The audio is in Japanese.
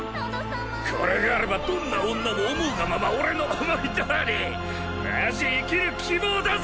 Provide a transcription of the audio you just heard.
これがあればどんな女も思うがまま俺の思いどおりマジ生きる希望だぜ！